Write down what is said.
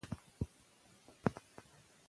دا چای له هغه بل ښه دی.